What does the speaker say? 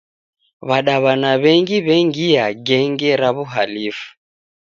W'adaw'ana w'engi w'engia genge ra w'uhalifu.